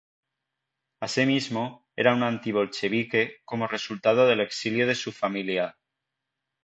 Asimismo, era un antibolchevique, como resultado del exilio de su familia.